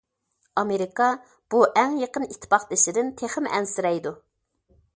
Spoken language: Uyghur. ئامېرىكا بۇ ئەڭ يېقىن ئىتتىپاقدىشىدىن تېخىمۇ ئەنسىرەيدۇ.